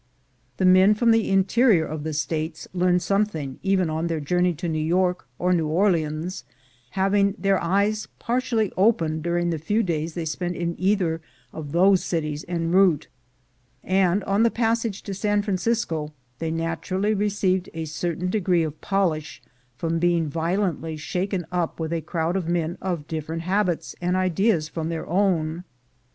The men from the interior of the States learned something even on their journey to New York or New Orleans, having their eyes partially opened during the few days they spent in either of those cities en route; and on the passage to San Francisco they naturally received a certain degree of polish from being violently shaken up with a crowd of men of different habits and ideas from their own.